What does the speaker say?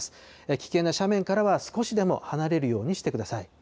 危険な斜面からは少しでも離れるようにしてください。